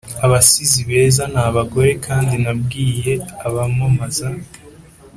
abasizi beza b'abagore kandi nabwiye abamamaza,